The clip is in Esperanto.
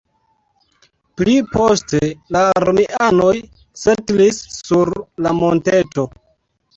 Pli poste la romianoj setlis sur la monteto.